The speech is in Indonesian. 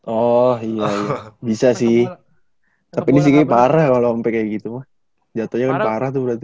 oh iya bisa sih tapi ini sih kayaknya parah kalau sampai kayak gitu mah jatohnya kan parah tuh berarti